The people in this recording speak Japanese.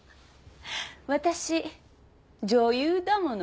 私女優だもの。